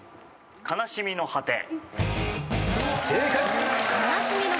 『悲しみの果て』正解。